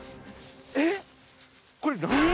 えっこれ何？